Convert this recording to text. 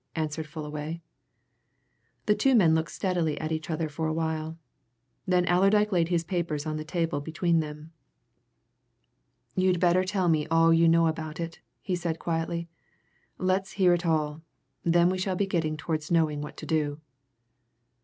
answered Fullaway. The two men looked steadily at each other for a while. Then Allerdyke laid his papers on the table between them. "You'd better tell me all you know about it," he said quietly. "Let's hear it all then we shall be getting towards knowing what to do."